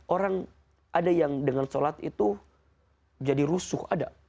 orang ada yang dengan sholat itu jadi rusuh ada